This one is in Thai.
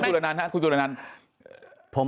คุณสุริมาณฑรมครับคุณสุริมาณฑรม